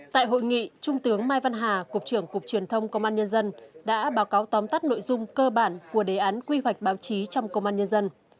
tại hội nghị trung tướng mai văn hà cục trưởng cục truyền thông công an nhân dân đã báo cáo tóm tắt nội dung cơ bản của đề án quy hoạch báo chí trong công an nhân dân